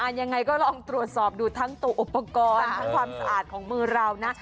ยังไงก็ลองตรวจสอบดูทั้งตัวอุปกรณ์ทั้งความสะอาดของมือเรานะ